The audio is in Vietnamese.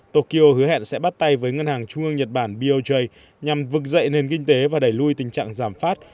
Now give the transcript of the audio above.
tokyo hứa hẹn sẽ bắt tay với ngân hàng trung ương nhật bản boj nhằm vực dậy nền kinh tế và đẩy lùi tình trạng giảm phát